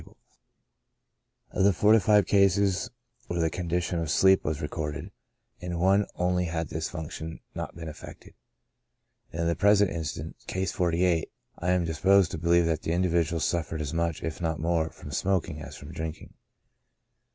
Of the forty five cases where the condition of sleep was recorded, in one only had this function not been affected, and in the present instance, (Case 48,) I am disposed to be lieve that the individual suffered as much, if not more, from smoking, as from drinking.